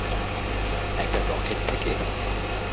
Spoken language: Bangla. একটা রকেট থেকে?